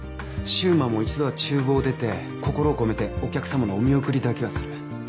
柊磨も１度はちゅう房を出て心を込めてお客様のお見送りだけはする。